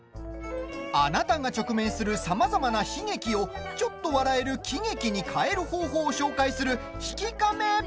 あなたが直面するさまざまな悲劇をちょっと笑える喜劇に変える方法を紹介する「悲喜カメ」。